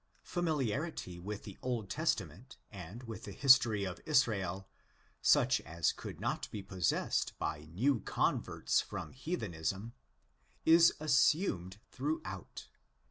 Familiarity with the Old Testament and with the history of Israel, such as could not be possessed by new converts from heathenism, is assumed throughout.